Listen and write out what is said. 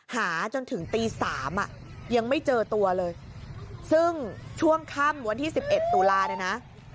หาจนถึงตีสามอ่ะยังไม่เจอตัวเลยซึ่งช่วงค่ำวันที่๑๑ตุลาเนี่ยนะ